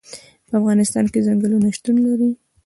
په افغانستان کې ځنګلونه شتون لري.